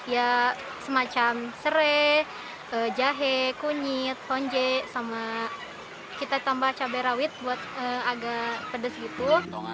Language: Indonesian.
ya semacam serai jahe kunyit honje sama kita tambah cabai rawit buat agak pedes gitu